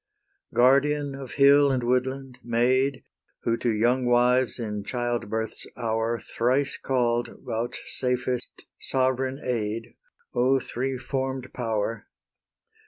Guardian of hill and woodland, Maid, Who to young wives in childbirth's hour Thrice call'd, vouchsafest sovereign aid, O three form'd power!